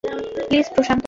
Please, Prashanta.